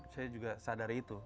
saya juga sadar itu